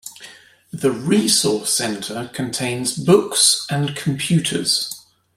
The Resource Center contains books and computers.